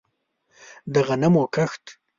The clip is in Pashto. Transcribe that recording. د غنمو کښت